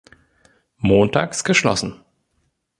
Montags geschlossen.